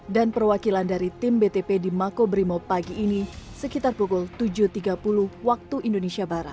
dan perwakilan dari tim btp di mako brimob pagi ini sekitar pukul tujuh tiga puluh waktu indonesia barat